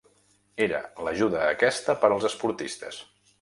Era l'ajuda aquesta per als esportistes.